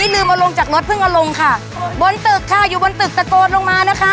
ลืมเอาลงจากรถเพิ่งเอาลงค่ะบนตึกค่ะอยู่บนตึกตะโกนลงมานะคะ